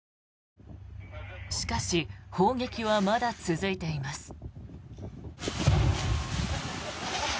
しかし、砲撃はまだ続いています。